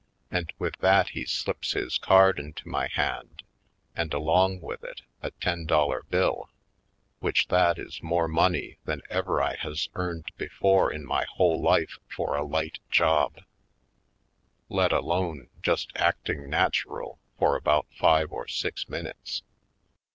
And with that he slips his card into my hand and along with it a ten dollar bill, which that is more money than ever I has earned before in my whole life for a light job, let alone just acting natural for about five or six minutes.